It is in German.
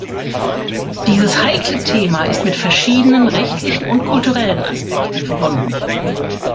Dieses heikle Thema ist mit verschiedenen rechtlichen und kulturellen Aspekten verbunden.